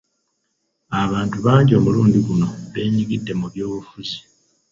Abantu bangi omulundi guno beenyigidde mu by'obufuzi.